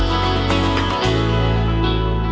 สามสี่สามสอง